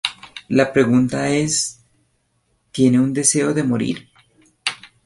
La pregunta es "¿tiene un deseo de morir?